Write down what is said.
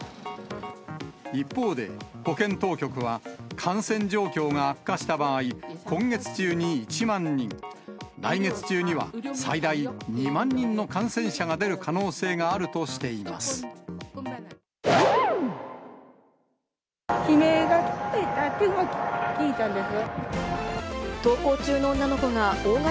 一方で、保健当局は感染状況が悪化した場合、今月中に１万人、来月中には最大２万人の感染者が出る可能性があるとしています。